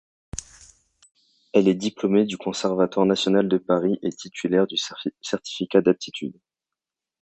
Elle est diplômée du Conservatoire national de Paris et titulaire du certificat d'aptitude.